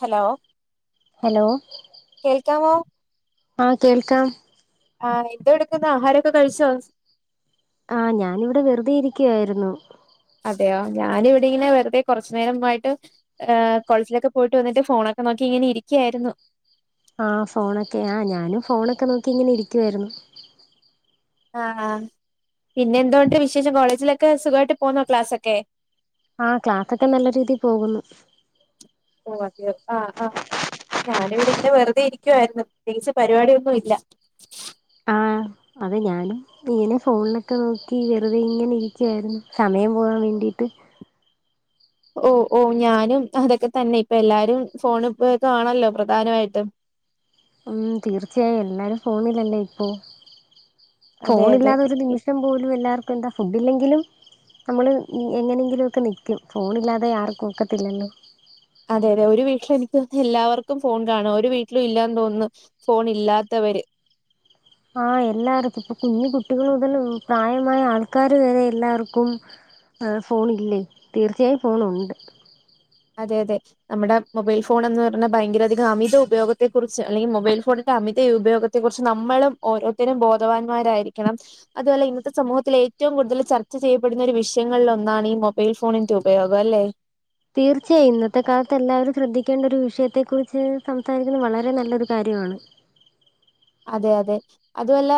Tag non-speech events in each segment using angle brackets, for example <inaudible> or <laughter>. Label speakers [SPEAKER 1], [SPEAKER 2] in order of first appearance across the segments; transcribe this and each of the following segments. [SPEAKER 1] Hello
[SPEAKER 2] hello
[SPEAKER 1] കേൾക്കാവോ.
[SPEAKER 2] ആഹ് കേൾക്കാം.
[SPEAKER 1] ആഹ് എന്തോ എടുക്കുന്ന് ആഹാരൊക്കെ കഴിച്ചോ?
[SPEAKER 2] ആഹ് ഞാാനിവിടെ വെറുതെ ഇരിക്കയായിരുന്നു.
[SPEAKER 1] അതെയോ ഞാനിവിടെ ഇങ്ങനെ വെറുതെ കുറച്ചു നേരംമായിട്ട്. കോളേജിലൊക്കെ പോയിട്ട് വന്നിട്ട് ഫോണൊക്കെ നോക്കി ഇങ്ങനെ ഇരിക്കയായിരുന്നു.
[SPEAKER 2] ആഹ് ഫോണൊക്കെ ആ്ഹ് ഞാനും ഫോണൊക്കെ നോക്കി ഇങ്ങനെ ഇരിക്കുവായിരുന്നു.
[SPEAKER 1] ആഹ് ആഹ് പിന്നെ എന്തൊണ്ട് വിശേഷം കോളേജിലൊക്കെ സുഗായിട്ട് പോന്നോ ക്ലാസ്സൊക്കെ?
[SPEAKER 2] ആഹ് ക്ലാസ്സൊക്കെ നല്ല രീതിൽ പോകുന്നു.
[SPEAKER 1] ഓ അതെയോ ആഹ് ആഹ് ഞാനിവിടെ ഇങ്ങനെ വെറുതെ ഇരിക്കുവാരുന്നു പ്രത്യേകിച്ച് പരിപാടിയൊന്നും ഇല്ല.
[SPEAKER 2] ആഹ് അത് ഞാനും ഇങ്ങനെ ഫോണിലൊക്കെ നോക്കി വെറുതെ ഇങ്ങനെ ഇരിക്കുവാരുന്നു. സമയം പോവാൻ വേണ്ടിട്ട്
[SPEAKER 1] ഓഹ് ഓഹ് ഞാനും അതൊക്കെ തന്നെ ഇപ്പ എല്ലാരും ഫോണ് ഉപയോഗം ആണല്ലോ പ്രധാനവായിട്ടും.
[SPEAKER 2] ഉം തീർച്ചയായും എല്ലാരും ഫോണില്ലല്ലേ ഇപ്പോ
[SPEAKER 1] അതെ അതെ
[SPEAKER 2] ഫോണില്ലാതൊരു നിമി ഷം പോലും എല്ലാർക്കും എന്താ ഫുഡ്ഡില്ലെങ്കിലും നമ്മള് എങ്ങനെയെങ്കിലൊക്കെ നിക്കും. ഫോണില്ലാതെ ആർക്കും ഒക്കത്തില്ലല്ലോ.
[SPEAKER 1] അതെ അതെ ഒരു വീട്ടില് എനിക്ക് തോന്നുന്നു എല്ലാവർക്കും ഫോൺ കാണും. ഒരു വീട്ടിലും ഇല്ലാന്ന് തോൻന്ന് ഫോണില്ലാത്തവര്.
[SPEAKER 2] ആഹ് എല്ലായെടത്തും ഇപ്പോ കുഞ്ഞു കുട്ടികൾ മുതലും പ്രായമായ ആൾക്കാര് വരെ എല്ലാർക്കും ആഹ് ഫോണില്ലേ തീർച്ചയായും ഫോണോണ്ട്.
[SPEAKER 1] അതെ അതെ നമ്മടെ മൊബൈൽ ഫോണെന്ന് എന്ന് പറഞ്ഞാ ഭയങ്കരധികം അമിത ഉപയോഗത്തെക്കുറിച്ച് അല്ലെങ്കി മൊബൈൽ ഫോണിന്റെ അമിത ഉപയോഗ ത്തെ കുറിച്ച് നമ്മളും ഓരോരുത്തരും ബോധവാൻമ്മാരായിരിക്കണം അതുപോലെ ഇന്നത്തെ സമൂഹത്തിൽ ഏറ്റവും കൂടുതല് ചർച്ച ചെയ്യപ്പെടുന്ന ഒരു വിഷയങ്ങളിൽ ഒന്നാണ് ഈ മൊബൈൽ ഫോണിന്റെ ഉപയോഗം അല്ലേ?
[SPEAKER 2] തീർച്ചേയായും ഇന്നത്തെ കാലത്ത് എല്ലാവരും ശ്രദ്ധിക്കേണ്ട ഒരു വിഷയത്തെ കുറിച്ച് സംസാരിക്കുന്നത് വളരെ നല്ലൊരു കാര്യം ആണ്
[SPEAKER 1] അതെ അതെ അതുവല്ല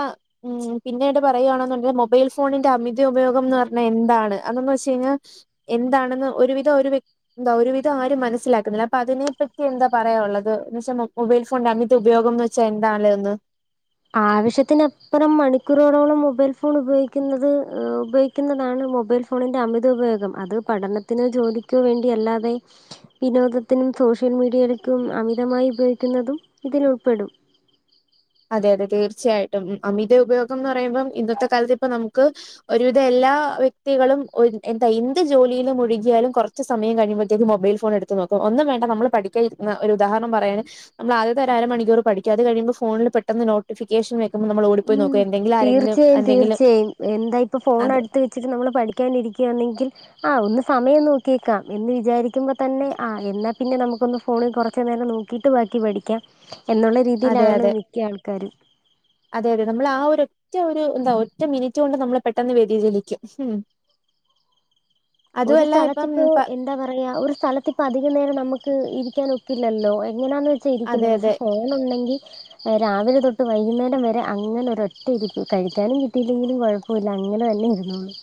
[SPEAKER 1] ഉം പിന്നെ ഇട് പറയാണെന്നുണ്ടേ മൊബൈൽ ഫോണിന്റെ അമിത ഉപയോഗം എന്ന് പറഞ്ഞ എന്താണ് അന്നന്ന് വെച്ചക്കഴിഞ്ഞാ എന്താണെന്ന് ഒരുവിധം ഒരു വ്യക് എന്താ ഒരു വിധം ആരും മനസിലാക്കുന്നില്ല അപ്പ അതിനെപ്പറ്റി എന്താ പറയാ ഒള്ളത് എന്ന് വെച്ചാ മൊബൈൽ ഫോണിന്റെ അമിത ഉപയോഗം എന്ന് ച്ചാ എന്താലെ ഒന്ന്
[SPEAKER 2] ആവശ്യത്തിന് അപ്രം മണി ക്കുറോടോളം മൊബൈൽ ഫോണ് ഉപയോഗിക്കുന്നത് ഏഹ് ഉപയോഗിക്കുന്നതാണ് മൊബൈൽ ഫോണിൻ്റെ അമിത ഉപയോഗം അത് പഠന ത്തിനോ ജോലിക്കോ വേണ്ടി അല്ലാതെ വിനോദത്തിനും സോഷ്യൽ മീഡിയക്കും അമിതമായി ഉപയോഗിക്കുന്നതും ഇതില് ഉൾപ്പെടും
[SPEAKER 1] അതെ അതെ തീർച്ചയായിട്ടും അമിത ഉപയോഗം എന്ന് പറയുമ്പം ഇന്നത്തെ കാലത്ത് ഇപ്പ നമുക്ക് ഒരുവിധം എല്ലാ വ്യക്തികളും ഒര് എന്താ എന്ത് ജോലിലും മുഴുകിയാലും കൊറ ച്ച് സമയം കഴിയുമ്പോത്തേക്ക് മൊബൈൽ ഫോണെടുത്തു നോക്കും ഒന്നും വേണ്ട നമ്മള് പഠിക്കാ ഇരുന്നാ ഒരു ഉദാഹരണം പറയാന് നമ്മള് ആദ്യത്തെ ഒരു അര മണിക്കൂർ പഠിക്കും അത് കഴിയുമ്പോ ഫോണിൽ പെട്ടെന്ന് നോ ട്ടിഫിക്കേഷൻ വെക്കുമ്പോ നമ്മളോ
[SPEAKER 2] ഉം തീർച്ചയായും തീർച്ചയായും എന്താ ഇപ്പ ഫോൺ
[SPEAKER 1] അതെ
[SPEAKER 2] അടുത്ത് വെ ച്ചിട്ട് നമ്മള് പഠിക്കാൻ ഇരിയ്ക്കന്നെങ്കിൽ ആഹ് ഒന്ന് സമയം നോക്കിയേക്കാം എന്ന് വിചാരിക്കുമ്പോ തന്നെ ആഹ് എന്നാ പിന്നെ നമുക്ക് ഒന്ന് ഫോണിൽ കൊറച്ച് നേരം നോ ക്കിട്ട് ബാക്കി പഠിക്കാം എന്നുള്ള
[SPEAKER 1] അതെ
[SPEAKER 2] രീതിയിലാണ്
[SPEAKER 1] അതെ
[SPEAKER 2] മിക്ക ആൾക്കാരും
[SPEAKER 1] അതെ അതെ നമ്മള് ആഹ് ഒരു റ്റ ഒരു എന്താ ഒറ്റ മിനിറ്റ് കൊണ്ട് നമ്മള് പെട്ടെന്ന് വേതിചലിക്കും ഉം
[SPEAKER 2] ഒരു
[SPEAKER 1] അതുമല്ല ഇപ്പം
[SPEAKER 2] സ്ഥലത്തിപ്പോ
[SPEAKER 1] പ
[SPEAKER 2] എന്താ പറയാ ഒരു സ്ഥലത്തി ഇപ്പോ അധികം നേരം നമക്ക് ഇരിക്കാൻ ഒക്ക് ഇല്ലല്ലോ എങ്ങനാെന്ന് വെച്ചാ
[SPEAKER 1] അതെ
[SPEAKER 2] ഇരിക്കുന്നേ
[SPEAKER 1] അതെ
[SPEAKER 2] പഷേ ഫോണ് ഒണ്ടങ്കി രാവിലെ തൊട്ട് വൈകുന്നേരം വരെ അങ്ങനെ ഒര് ഒറ്റ ഇരിപ്പ് കഴിക്കാനും കിട്ടില്ലെങ്കിലും കൊഴ പ്പവില്ല അങ്ങനെ തന്നെ ഇരുന്നോളും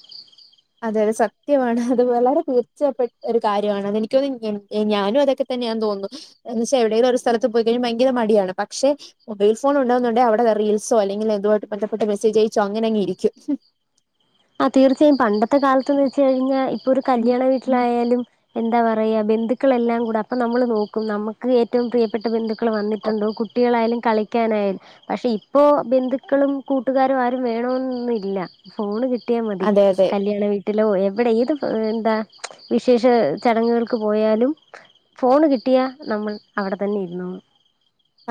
[SPEAKER 1] അതെ അതെ സത്യവാണ് അത് വളരെ തീർച്ചപ്പെട്ട ഒരു കാര്യം ആണ് അത് എനിക്ക് തോന്ന് ഞാനും അതൊക്കെ തന്നെയാന്ന് തോന്നുന്നു എന്ന് വെച്ചാ എവിടേലും ഒരു സ്ഥലത്ത് പോയി കഴിഞ്ഞ ഭയങ്കര മടിയാണ് പക്ഷേ മൊബൈൽ ഫോൺ ഒണ്ട്ന്ന്ണ്ടേ അവടെ റീൽസോ അല്ലെങ്കിൽ അതുമായിട്ട് ബന്ധപ്പെട്ട മെസ്സജ് അയച്ചോ അങ്ങനെ അങ്ങ് ഇരിക്കും
[SPEAKER 2] ആഹ് തീർച്ചയായും പണ്ടത്തെ കാലത്തന്ന് വെച്ചക്കഴിഞ്ഞാ ഇപ്പോ ഒരു കല്യാണ വീട്ടിലായാലും എന്താ പറയാ ബന്ധുക്കളെല്ലാം കൂടെ അപ്പോ നമ്മള് നോക്കും നമുക്ക് ഏറ്റവും പ്രിയപ്പെട്ട ബന്ധു മക്കള് വന്നിട്ടോണ്ടോ കുട്ടികളായാലും കളി ക്കനായാലും പഷേ ഇപ്പോ ബന്ധുക്കളും കൂട്ടുകാരും ആരും വേണൊന്നില്ല ഫോൺ കി ട്ടിയാ മതി
[SPEAKER 1] അതെ അതെ
[SPEAKER 2] കല്യാണ വീ ട്ടിലോ എവിടെ ഏത് എന്താ വിശേഷ ചടങ്ങുകൾക്ക് പോയാലും ഫോണ് കിട്ടിയാ നമ്മൾ അവിടെ തന്നെ ഇരുന്നോളും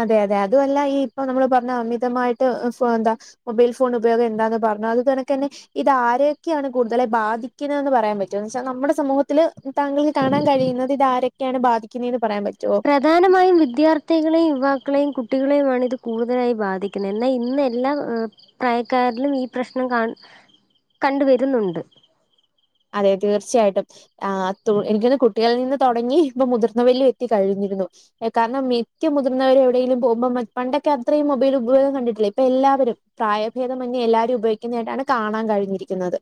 [SPEAKER 1] അതെ അതെ അതുവല്ല ഈ ഇപ്പൊ നമ്മള് പറഞ്ഞ അമിതമായിട്ട് സോ എന്താ മൊബൈൽ ഫോൺ ഉപയോഗം എന്താന്ന് പറഞ്ഞു അത് തനക്ക് തന്നെ ഇത് ആരേ ഒക്കെ ആണ് കൂടുതലായി ബാധിക്കുന്ന തെന്ന് പറയാൻ പറ്റുമൊ എന്ന് വെച്ചാ നമ്മുടെ സമൂഹത്തില്. താങ്കൾ കാണാൻ കഴിയുന്നത് ഇത് ആരൊക്കെയാണ് ബാധിക്കുന്നതന്ന് പറയാൻ പറ്റുവോ
[SPEAKER 2] പ്രധാനമായും വിദ്യാർത്ഥികളെയും യുവാക്കളെയും കുട്ടികളെയുമാണ് ഇത് കൂടുതലായി ബാധിക്കുന്നത് എന്നാൽ ഇന്ന് എല്ലാം പ്രായക്കാരിലും ഈ പ്രശ്നം ക കണ്ടു വരുന്നുണ്ട്
[SPEAKER 1] അതെ തീർച്ചയായിട്ടും ആ തു എനിക്ക് തോന്നുന്നു കുട്ടികളിൽ നിന്ന് തുടങ്ങി ഇപ്പൊ മുതിർന്ന വരിലും എത്തി കഴിഞ്ഞ് ഇരിന്നു കാരണം മിക്ക മുതിർന്നവരും എവിടെയങ്കും പോുമ്പോ പണ്ടൊക്കെ അത്രയും മൊബൈൽ ഉപയോഗം കണ്ടിട്ടില്ല ഇപ്പ എല്ലാവരും പ്രായഭേദമന്യ എല്ലാവാരും ഉപയോഗിക്കുന്നത് ആയിട്ടാണ് കാണാൻ കഴിഞ്ഞ് ഇരിക്കുന്നത്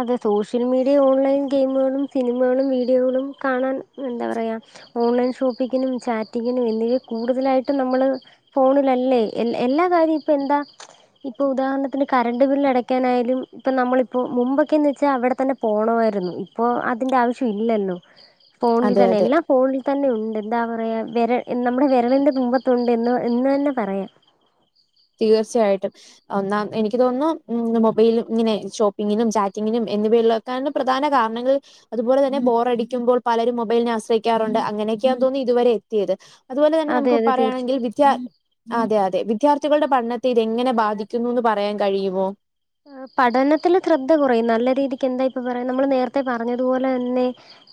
[SPEAKER 2] അതെ സോഷ്യൽ മീഡിയ ഓൺലൈൻ ഗെയിമുകളും സിനിമകളും വീഡിയോകളും കാണാൻ എന്താ പറയയാ ഓൺലൈൻ ഷോപ്പിക്കിനും ചാറ്റിങ്ങിനും എന്നിവ കൂടുതലായിട്ടും നമ്മള് ഫോണിലല്ലേ എ എല്ലാ കാര്യം ഇപ്പ എന്താ ഇപ്പൊ ഉദാഹരണത്തിന് കറണ്ട് ബില്ല് അടക്കാനായാലും ഇപ്പൊ നമ്മളിപ്പോ മുമ്പൊക്കെന്ന് വെച്ചാ അവടെ തന്നെ പോണോയിരുന്നു ഇപ്പോ അതിന്റെ ആവശ്യം ഇല്ലല്ലോ ഫോണിൽ
[SPEAKER 1] അതെ
[SPEAKER 2] തന്നെ
[SPEAKER 1] അതെ
[SPEAKER 2] എല്ലാം ഫോണിൽ തന്നെ ഉണ്ട് എന്താ പറയ വെര എന്നനമ്മുടെ വെരലിൻ്റെ തുമ്പത്തുണ്ട് എന്ന് എന്ന് തന്നെ പറയാം
[SPEAKER 1] തീർച്ചയായിട്ടും ഓ ന്നാ എനിക്ക് തോന്നുന്നു മൊബൈല് ഇങ്ങനെ ഷോപ്പിങ്ങിനും ചാറ്റിങ്ങിനും എന്നിവയുള്ള കാരണം പ്രധാന കാരണങ്ങൾ അതുപോലെ തന്നെ ബോറടിക്കുമ്പോൾ പലരും മൊബൈലിനെ ആശ്രയിക്കാറുണ്ട് അങ്ങനേക്ക്യ തോന്നുന്നു ഇതുവരെ ത് അതുപോലെ തന്നെ
[SPEAKER 2] അതെ
[SPEAKER 1] നമുക്ക്
[SPEAKER 2] അതെ തീർച്ച
[SPEAKER 1] പറയയാണെങ്കിൽ വിദ്യ അതെ അതെ വിദ്യാർ ത്ഥികളുടെ പഠത്തെ ഇതെങ്ങനെ ബാധിക്കുന്നു ന്ന് പറയാൻ കഴിയുമോ
[SPEAKER 2] പഠനത്തില് ശ്രദ്ധ കുറയും നല്ല രീതിക്ക് എന്താ ഇപ്പൊ പറയാ നമ്മള് നേരത്തെ പറഞ്ഞതുപോലെ തന്നെ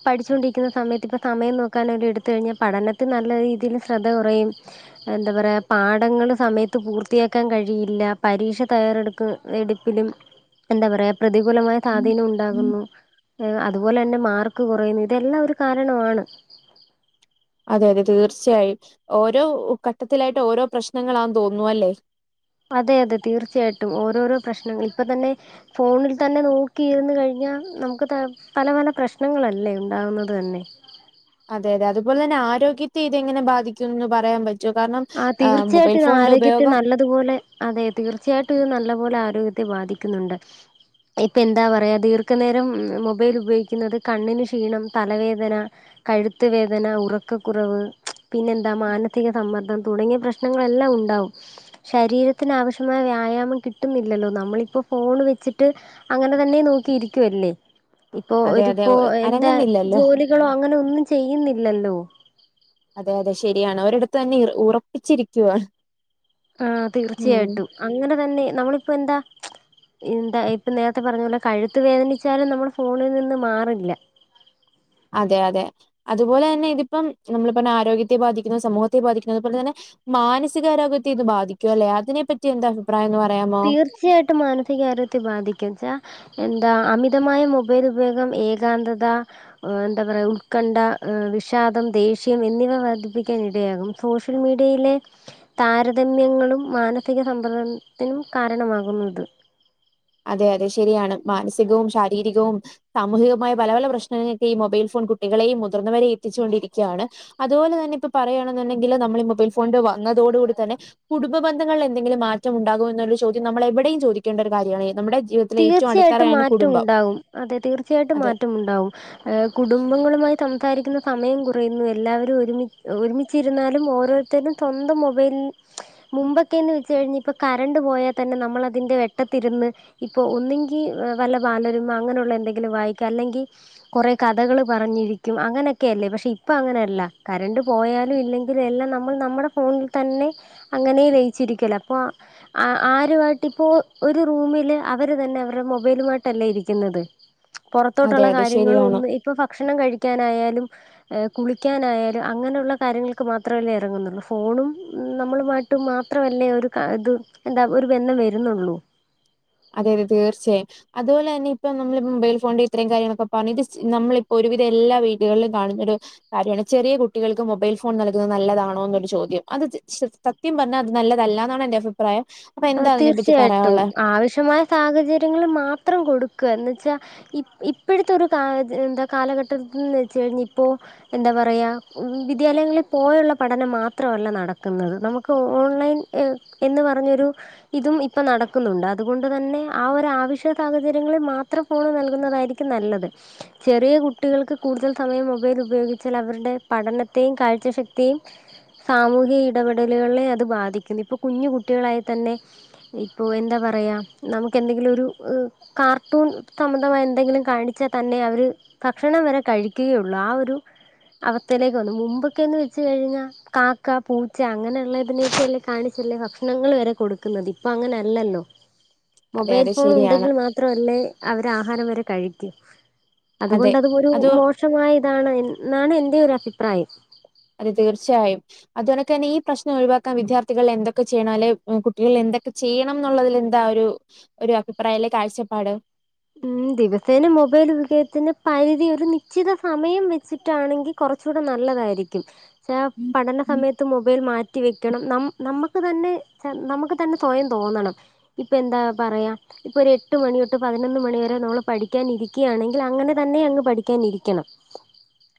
[SPEAKER 2] പഠിച്ചുകൊണ്ടിരിക്കുന്ന സമയത്ത് ഇപ്പം സമയം നോക്കാനൊക്കെ എടുത്തു കഴിഞ്ഞാ പഠനത്തിൽ നല്ല രീതിയിൽ ശ്രദ്ധ കുറയും എന്താ പറയാ പാഠങ്ങള് സമയത്ത് പൂർത്തിയാക്കാൻ കഴിയില്ല പരീക്ഷ തയ്യാറെടുക്ക വെടിപ്പിലും എന്താ പറയാ പ്രതികൂലമായ സാതീനം ഉണ്ടാകുന്നു ഏ അതുപോലെന്നെ മാർക്ക് കുറയുന്നു ഇതെല്ലാം ഒരു കാരണമാണ്
[SPEAKER 1] അതെ അതെ തീർച്ചയായും ഓരോ ഘട്ടത്തിലായിട്ട് ഓരോ പ്രശ്നങ്ങളാന്ന് തോന്നുന്നു അല്ലേ
[SPEAKER 2] അതെ അതെ തീർച്ചയായിട്ടും ഓരോരോ പ്രശ്നങ്ങൾ ഇപ്പ തന്നെ ഫോണിൽ തന്നെ നോക്കിയിരുന്ന് കഴിഞ്ഞാ നമുക്ക് ത പല പല പ്രശ്നങ്ങളല്ലേ ഉണ്ടാവുന്നത് ന്നെ
[SPEAKER 1] അതെ അതെ അതുപോൽതന്നെ ആരോഗ്യത്തെ ഇത് എങ്ങനെ ബാധിക്കും ന്ന് പറയാൻ പ റ്റൊ കാരണം മൊബൈൽ ഫോണിന്റെ ഉപയോഗം
[SPEAKER 2] തുപോലെ അതെ തീർച്ചയായിട്ടും ഇത് നല്ല പോലെ ആരോഗ്യത്തെ ബാധിക്കുന്നുണ്ട് ഇപ്പെന്താ പറയ ദീർഘനേരം മൊബൈൽ ഉപയോഗിക്കുന്നത് കണ്ണിന് ക്ഷീണം തലവേദന കഴുത്ത് വേദന ഉറക്കക്കുറവ് പിന്നെന്താ മാനസിക സമ്മർ ദ്ദം തുടങ്ങിയ പ്രശ്നങ്ങളെല്ലാം ഉണ്ടാവും ശരീരത്തിനാവശ്യമായ വ്യായാമം കിട്ടുന്നില്ലല്ലോ നമ്മളിപ്പോ ഫോൺ വെച്ചിട്ട് അങ്ങനെ തന്നെ നോക്കിയിരിക്കുവല്ലേ ഇപ്പൊ
[SPEAKER 1] അതെ അതെ
[SPEAKER 2] ഒരുപ്പോ
[SPEAKER 1] ഒ-
[SPEAKER 2] എന്താ
[SPEAKER 1] അനങ്ങുന്നില്ലല്ലോ
[SPEAKER 2] ജോലികളോ അങ്ങനെ ഒന്നും ചെയ്യുന്നില്ലല്ലോ
[SPEAKER 1] അതെ അതെ ശരിയാണ് ഒരിടത്തന്നെ ഇ ഉറപ്പിച്ചിരിക്കുവാണ്
[SPEAKER 2] ആ
[SPEAKER 1] ഉം
[SPEAKER 2] തീർച്ചയായിട്ടും അങ്ങനെ തന്നെ നമ്മളിപ്പോ എന്താ എന്താ ഇപ്പം നേരത്തെ പറഞ്ഞ പോലെ കഴുത്ത് വേദനിച്ചാലും നമ്മള് ഫോണിൽ നിന്ന് മാറില്ല
[SPEAKER 1] അതെ അതെ അതുപോലെന്നെ ഇതിപ്പം നമ്മളീ പറഞ്ഞ ആരോഗ്യത്തെ ബാധിക്കുന്നു സമൂഹത്തെ ബാധിക്കുന്നു അതുപോലെ തന്നെ മാനസികാരോഗ്യത്തെ ഇത് ബാധിക്കും അല്ലെ അതിനെപ്പറ്റി എന്ത അഭിപ്രായം എന്ന് പറ
[SPEAKER 2] തീർച്ചയായിട്ടും മാനസികാരോഗ്യത്തെ ബാധിക്കും ച്ചാ എന്താ അമിതമായ മൊബൈൽ ഉപയോഗം ഏകാന്തത എന്താ പറയാ ഉത്കണ്ഠ വിഷാദം ദേഷ്യം എന്നിവ വർദ്ധിപ്പിക്കാനിടയാകും സോഷ്യൽ മീഡിയയിലെ താരതമ്യങ്ങളും മാനസിക സമ്പർദ ത്തിനും കാരണമാകുന്നുത്
[SPEAKER 1] അതെ അതെ ശരിയാണ് മാനസികവും ശാരീരികവും സാമൂഹികമായ പല പല പ്രശ്നങ്ങക്കെ ഈ മൊബൈൽ ഫോൺ കുട്ടികളെയും മുതിർന്നവരെ എത്തിച്ചുകൊണ്ടിരിക്യാണ് അതുപോലെ തന്നെ ഇപ്പപറയയാണെന്നുണ്ടെങ്കില് നമ്മള് ഈ മൊബൈൽ ഫോന്റെ വന്നതോടുകൂടി തന്നെ കുടുംബന്ധങ്ങളിലെന്തെങ്കിലും മാറ്റം ഉണ്ടാകോ എന്നുള്ള ചോദ്യം നമ്മൾ എവിടെയും ചോദിക്കേണ്ട ഒരു കാര്യാണ് ഏ നമ്മുടെ ജീവിതത്തിലെ ഏറ്റവും
[SPEAKER 2] തീർച്ചയായിട്ടും
[SPEAKER 1] അടിത്തറയാണ്
[SPEAKER 2] മാറ്റം
[SPEAKER 1] കുടുംബം.
[SPEAKER 2] ഉണ്ടാവും അതെ തീർച്ചയായിട്ടും
[SPEAKER 1] അതെ
[SPEAKER 2] മാറ്റമുണ്ടാവും ഏ കുടുംബങ്ങളുമായി സംസാരിക്കുന്ന സമയം കുറയുന്നു എല്ലാവരും ഒരുമി ഒരുമിച്ചിരുന്നാലും ഓരോര് ത്തരും സ്വന്തം മൊബൈൽ മുമ്പൊക്കെന്ന് വെച്ച കഴിഞ് ഇപ്പൊ കരണ്ട് പോയാ തന്നെ നമ്മൾ അതിന്റെ വെട്ടത്തിരുന്ന് ഇപ്പോ ഒന്നെങ്കി വല്ല ബാലരമ അങ്ങനെയുള്ള എന്തെങ്കിലും വായിക്ക അല്ലെങ്കി കൊറേ കഥകള് പറഞ്ഞിരിക്കും അങ്ങനെക്കെയല്ലേ പക്ഷെ ഇപ്പൊ അങ്ങനെയല്ല കരണ്ട് പോയാലും ഇല്ലെ ഇതെല്ലാം നമ്മൾ നമ്മുടെ ഫോണിൽ തന്നെ അങ്ങനെ ലയിച്ചിരിക്കല അപ്പൊ ആ ആരുമായിട്ട് ഇപ്പോ ഒരു റൂമില് അവര് തന്നെ അവർട മൊബൈലുമായിട്ടല്ലേ ഇരിക്കുന്നത്
[SPEAKER 1] അതെ
[SPEAKER 2] പൊറത്തോട്ടൊള്ള
[SPEAKER 1] അതെ
[SPEAKER 2] കാര്യങ്ങളു
[SPEAKER 1] ശരിയാണ്.
[SPEAKER 2] ഒന്ന് എ ഇപ്പൊ ഭക്ഷണം കഴിക്ക്യാനായാലും ഏഹ് കുളിക്കാനായാലും അങ്ങനുള്ള കാര്യങ്ങൾക്ക് മാത്രവല്ലേ എറങ്ങുന്നുള്ളൂ ഫോണും നമ്മളുമായിട്ട് ട്ട് മാത്രവല്ലേ ഒരു കാ ഇത് എന്താ ഒരു ബന്ധം വരുന്നൊള്ളൂ
[SPEAKER 1] അതെ അതെ തീർച്ചയായും അതുപോലെ അന്നെ ഇപ്പം നമ്മള് മൊബൈൽ ഫോണിൻ്റിത്രേം കാര്യങ്ങളൊക്കെ പറഞ്ഞിതിസ് നമ്മളിപ്പൊരുവിധെല്ലാ വീടുകളിലും കാണുന്നൊരു കാര്യാണ് ചെറിയ കുട്ടികൾക്ക് മൊബൈൽ ഫോൺ നല്കുന്നത് നല്ലതാണോന്നൊരു ചോദ്യം അത് ചെ ശെദ് സത് സത്യം പറഞ്ഞാ അത് നല്ലതല്ലാന്നാണെൻ്റെ അഭിപ്രായം അപ്പൊ
[SPEAKER 2] ആഹ്
[SPEAKER 1] എന്താ അതിനെപ്പറ്റി
[SPEAKER 2] തീർച്ചയായിട്ടും
[SPEAKER 1] പറയാനുള്ളെ?
[SPEAKER 2] ആവശ്യമായ സാഹചര്യങ്ങളില് മാത്രം കൊടുക്ക എന്ന്വെച്ചാ ഇപ്പ് ഇപ്പഴത്തെ ഒരു കാ ത് എന്താ കാലഘട്ടത്തിന്ന് വെച്ച് കഴിഞ്ഞ ഇപ്പോ എന്താ പറയാ ഉം വിദ്യാലയങ്ങളി പോയൊള്ള പഠനം മാത്രവല്ല നടക്ക്ന്നത് നമ്മുക് ക്കോൺലൈൻ എ എന്ന് പറഞ്ഞൊരു ഇതും ഇപ്പ നടക്കുന്നുണ്ട് അതുകൊണ്ട് തന്നെ ആ ഒരാവശ്യ സാഹചര്യങ്ങളി മാത്രം ഫോണ് നൽകുന്നതായിരിക്കും നല്ലത് ചെറിയ കുട്ടികൾക്ക് കൂടുതൽ സമയം മൊബൈലുപയോഗിച്ചാലവരുടെ പഠനത്തെയും കാഴ്ചശക്തിയെയും സാമൂഹി ഇടപെടലുകളെയത് ബാധിക്കുന്നിപ്പൊ കുഞ്ഞു കുട്ടികളായാ തന്നെ ഇപ്പോ എന്താ പറയാ നമുക്കെന്തെങ്കിലു ഒരു അ കാർട്ടൂൺ സംബന്ധമായ എന്തെങ്കിലും കാണിച്ചാ തന്നെ അവര് ഭക്ഷണം വരെ കഴിക്കുകയുള്ളൂ ആ ഒരു അവസ്ഥയിലേക്ക് വന്ന് മുമ്പൊക്കേന്ന് വെച്ച് കഴിഞ്ഞാ കാക്ക പൂച്ച അങ്ങനെയൊള്ള ഇതിനെയൊക്കെയല്ലേ കാണിച്ചല്ലേ ഭക്ഷണങ്ങള് വരെ കൊടുക്കുന്നതിപ്പ അങ്ങനെയല്ലല്ലോ
[SPEAKER 1] അതെ
[SPEAKER 2] മൊബൈൽ
[SPEAKER 1] അതെ ശരിയാണ്.
[SPEAKER 2] ഫോണുണ്ടെങ്കിൽ മാത് ത്രവല്ലേ അവരാഹാരം വരെ കഴിക്കൂ
[SPEAKER 1] അതെ
[SPEAKER 2] അതുകൊണ്ടത് ഒരു
[SPEAKER 1] അത്
[SPEAKER 2] മോശ് ശമായതാണ് എന്ന് ന്നാണ് എൻ്റെ ഒരു അഭിപ്രായം
[SPEAKER 1] അതെ തീർച്ചയായും അത് കണക്കതന്നെ ഈ പ്രശ്നം ഒഴിവാക്കാൻ വിദ്യാർത്ഥികളെന്തൊക്കെ ചെയ്യണവല്ലേ ഉം കുട്ടികളെന്തക്ക ച് ചെയ്യണംന്നൊള്ളതിലെന്താ ഒരു ഒരു അഭിപ്രായല്ലേ കാഴ്ചപ്പാട്
[SPEAKER 2] ഉം ദിവസേന മൊബൈല് യൂസെയ്യത്തിന് പരിധി ഒരു നിശ്ചിത സമയം വെച്ചിട്ടാണെങ്കി കൊറച്ചൂടെ നല്ലതായിരിക്കും ചാ പഠന സമയത്ത് മൊബൈൽ മാറ്റ് റ്റി വെക്കണം നം നമ്മക്ക് തന്നെ ചെ നമ്മക്ക് തന്നെ സ്വയം തോന്നണം ഇപ്പയെന്താ പറയാ ഇപ്പൊ ഒര് എട്ട് മണി തൊട്ട് പതിന് നൊന്ന് മണി വരെ നമ്മള് പഠിക്കാനിരിക്കിയാണെങ്കിലങ്ങനെ തന്നെയങ്ങ് പഠിക്കാനിരിക്കണം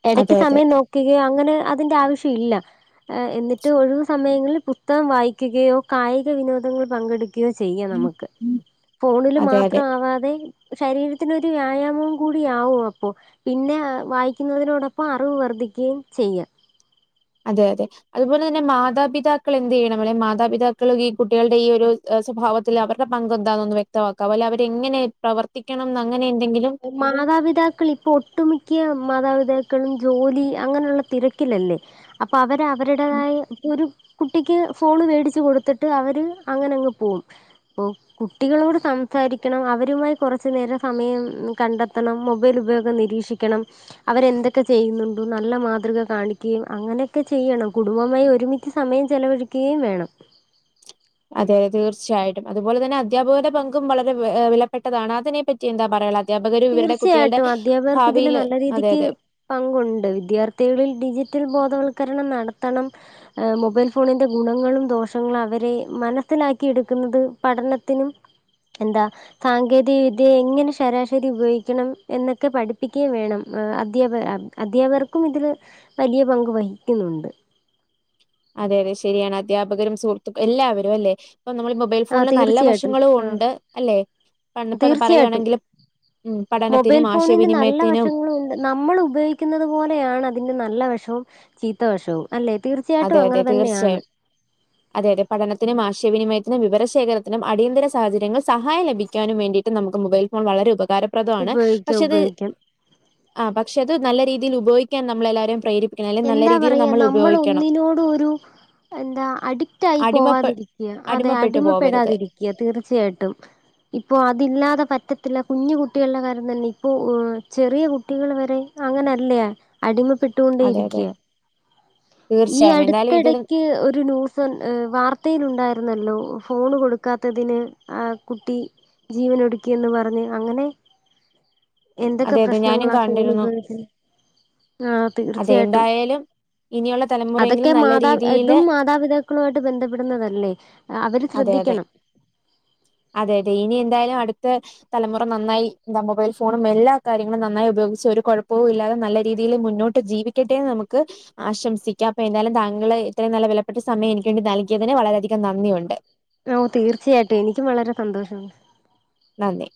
[SPEAKER 2] എടയ്ക്ക്
[SPEAKER 1] അതെ അതെ.
[SPEAKER 2] സമയം നോക്കികയോ അങ്ങനെ അതിന്റെ ആവിശ്യ ഇല്ല ആഹ് എന്നിട്ട് ഒഴിവു സമയങ്ങളിൽ പുസ്തകം വായിക്കുകയോ കായിക വിനോദങ്ങൾ പങ്കെടുക്ക് ക്കിയോ ചെയ്യാ നമ്മക്ക് ഫോണില്
[SPEAKER 1] അതെ
[SPEAKER 2] മാത്ര
[SPEAKER 1] അതെ.
[SPEAKER 2] ആവാത് തെ ശരീരത്തിനൊരു വ്യായാമവും കൂടിയാവു അപ്പോ പിന്നെ അഹ് വായിക്കുന്നതിനോടൊപ്പ അറിവ് വർദ്ധിക്കുകയും ചെയ്യ
[SPEAKER 1] അതെ അതെ അതുപോലെ തന്നെ മാതാപിതാക്കളെന്തെയ്യണം അപോലെ മാതാപിതാക്കള് ഈ കുട്ടികൾടെ ഈ ഒരു അഹ് സ്വഭാവത്തില് അവർടെ പങ്കെന്താന്നൊന്ന് വ്യക്തവാക്കാവോ? അല്ലേ അവരെങ്ങനെ പ്രവർത്തിക്കണം ന്നങ്ങനെയെന്തെങ്കിലും?
[SPEAKER 2] മാതാപിതാക്കളിപ്പോ ഒട്ടു മിക്ക്യ മാതാപിതാക്കളും ജോലി അങ്ങനുള്ള തിരക്കിലല്ലേ? അപ്പവര്
[SPEAKER 1] ഉം
[SPEAKER 2] അവര്ടേതായ ഒരു കുട്ടിക്ക് ഫോണ് വേടിച്ച് കൊടുത്തിട്ട് അവര് അങ്ങനങ്ങ് പോവും ഓഹ് കുട്ടികളോട് സംസാരിക്കണം. അവരുമായി കൊറച്ച് നേരം സമയം ഉം കണ്ടെത്തണം. മൊബൈലുപയോഗം നിരീക്ഷിക്കണം. അവരെന്തൊക്കെ ചെയ്യുന്നുണ്ടു നല്ല മാതൃക കാണിക്കുകയും അങ്ങനെയൊക്കെ ചെയ്യണം കുടുംബമായി ഒരുമി ച്ച് സമയം ചെലവഴിക്കുകയും വേണം
[SPEAKER 1] അതേ തീർച്ചയായിട്ടും. അതുപോലെ തന്നെ അധ്യാപകര്ടെ പങ്കും വളരെ വെ ആഹ് വിലപ്പെട്ടതാണ്. അതിനെപ്പറ്റിയെന്താ പറയാള്ള
[SPEAKER 2] തീർച്ചയായിട്ടും. അദ്ധ്യാപകർക്കിതില് നല്ല
[SPEAKER 1] അതെ
[SPEAKER 2] രീതിക്ക്
[SPEAKER 1] അതെ.
[SPEAKER 2] പങ്കുണ്ട്. വിദ്യാർത്ഥികളിൽ ഡിജിറ്റൽ ബോധവൽക്കരണം നടത്തണം. ആഹ് മൊബൈൽ ഫോണിന്റെ ഗുണങ്ങളും ദോഷങ്ങളും അവരെ മനസ്സിലാക്കിയെടുക്കുന്നത് പഠനത്തിനും എന്താ സാങ്കേതിക വിദ്യയെങ്ങനെ ശരാശ് ശരി ഉപയോഗിക്കണം എന്നൊക്കെ പഠിപ്പിക്കുകയും വേണം. ആഹ് അധ്യാപ അധ്യാപകർക്കും ഇതില് വലിയ പങ്ക് വഹിക്കുന്നുണ്ട്.
[SPEAKER 1] അതെയതെ ശര്യാണ്. അധ്യാപകരും സുഹൃത്തുക്ക എല്ലാവരും അല്ലേ? ഇപ്പ നമ്മളിപ്പോ മൊബൈൽ
[SPEAKER 2] ആ
[SPEAKER 1] ഫോണില് നല്ല
[SPEAKER 2] തീർച്ചയായിട്ടും
[SPEAKER 1] വശങ്ങളും
[SPEAKER 2] ആ
[SPEAKER 1] ഒണ്ട്. അല്ലേ? പണ് ഇപ്പ അത്
[SPEAKER 2] തീർച്ചയായിട്ടും
[SPEAKER 1] പറയാണെങ്കില് ഉം പഠനത്തിനും ആശയവിനിമയത്തിനും
[SPEAKER 2] നമ്മളുപയോഗിക്കുന്നത് പോലെയാണതിൻ്റെ നല്ല വഷവും ചീത്തവശവും അല്ലേ? തീർച്ചയായിട്ടും
[SPEAKER 1] അതെ
[SPEAKER 2] അങ്ങന
[SPEAKER 1] അതെ
[SPEAKER 2] തന്നെയാണ്.
[SPEAKER 1] <unintelligible> അതെ അതെ. പഠനത്തിനും ആശയവിനിമയത്തിനും വിവരശേഖരത്തിനും അടിയന്തര സാഹചര്യങ്ങൾ സഹായം ലഭിക്കാനും വേണ്ടിയിട്ട് നമുക്ക് മൊബൈൽ ഫോൺ വളരെ ഉപകാരപ്രദവാണ്.
[SPEAKER 2] ഉപയോഗിക്കാം
[SPEAKER 1] പക്ഷേ അത്
[SPEAKER 2] ഉപയോഗിക്കാം
[SPEAKER 1] ആഹ് പക്ഷേ അത് നല്ല രീതിയിൽ ഉപയോഗ്ക്കാൻ നമ്മൾ എല്ലാരേയും പ്രേരി-
[SPEAKER 2] എന്താ പറയാ നമ്മൾ ഒന്നിനോടും ഒരു എന്താ അഡിക് ക്റ്റായി
[SPEAKER 1] അടിമപ്പെ
[SPEAKER 2] പോവാതിരിക്കാ. അതെ
[SPEAKER 1] അടിമപ്പെട്ടു പോവരുത്.
[SPEAKER 2] അടിമപ്പെടാതിരിക്കാ. തീർച്ചയായിട്ടും ഇപ്പോ അതില്ലാതെ പറ്റത്തില്ല. കുഞ്ഞു കുട്ടികളുടെ കാര്യം തന്നെ. ഇപ്പോ ചെറിയ കുട്ടികൾ വരെ അങ്ങനല്ലേ അടിമപ്പെട്
[SPEAKER 1] അതെയതെ
[SPEAKER 2] ഈ അടുത്തിടയ്ക്ക് ഒരു ന്യൂ സ് വാർത്തയിലുണ്ടായിരുന്നല്ലോ ഫോണ് കൊടുക്കാത്തതിന് കുട്ടി ജീവനൊടുക്കിയെന്ന് പറഞ്ഞ് അങ്ങനെ
[SPEAKER 1] <unintelligible>
[SPEAKER 2] എന്തൊക്കെ
[SPEAKER 1] അതെയതെ ഞാനും
[SPEAKER 2] പ്രശ്നങ്ങളാ ഫോൺ
[SPEAKER 1] കണ്ടിരുന്നു.
[SPEAKER 2] ഉപയോഗിച്ച് ആ
[SPEAKER 1] അതെ
[SPEAKER 2] തീർച്ചയായിട്ടും
[SPEAKER 1] എന്തായാലും ഇനിയുള്ള തലമു-
[SPEAKER 2] അതൊക്കെ മാതാ അതും മാതാപിതാക്കളുമായിട്ട് ബന്ധപ്പെടുന്നതല്ലേ? ആഹ് അവര് ശ്രദ്ധിക്കണം
[SPEAKER 1] അതെയതെ ഇനി എന്തായാലും അടുത്ത തലമുറ നന്നായി എന്താ? മൊബൈൽ ഫോൺ എല്ലാ കാര്യങ്ങളും നന്നായി ഉപയോഗിച്ച് ഒരു കൊഴപ്പവും ഇല്ലാതെ നല്ല രീതിയില് മുന്നോട്ട് ജീവിക്കട്ടേന്ന് നമുക്ക് ആശംസിക്കാം. അപ്പ എന്തായാലും താങ്കൾ ഇത്രയും നല്ല വിലപ്പെട്ട സമയം എനിക്ക് വേണ്ടി നൽകിയതിന് വളരെയധികം നന്ദിയൊണ്ട്.
[SPEAKER 2] ഓഹ് തീർച്ചയായിട്ടും. എനിക്കും വളരെ സന്തോഷമുണ്ട്.
[SPEAKER 1] നന്ദി